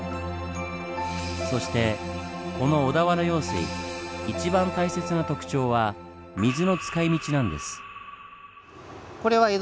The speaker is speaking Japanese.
そしてこの小田原用水一番大切な特徴は水の使いみちなんです。